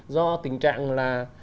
do tình trạng là